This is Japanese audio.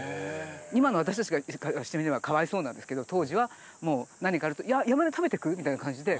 今の私たちからしてみればかわいそうなんですけど当時はもう何かあると「やあヤマネ食べてく？」みたいな感じで。